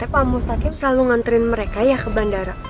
pak mustaqim selalu nganterin mereka ya ke bandara